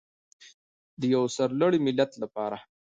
د یو سرلوړي ملت لپاره.